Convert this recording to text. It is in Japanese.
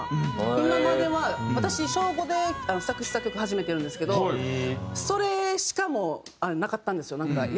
今までは私小５で作詞作曲始めてるんですけどそれしかもうなかったんですよなんかやる事が。